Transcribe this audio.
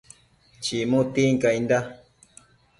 chimu tincainda